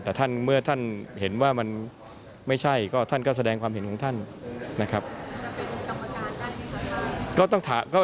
และเมื่อท่านเห็นว่ามันไม่ใช่ก็แสดงความเห็นความความท่าน